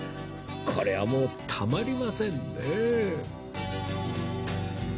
これはもうたまりませんね